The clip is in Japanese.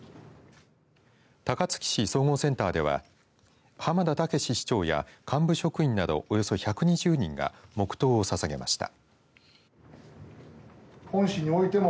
高槻市総合センターでは濱田剛史市長や幹部職員などおよそ１２０人が黙とうをささげました。